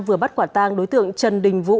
vừa bắt quả tang đối tượng trần đình vũ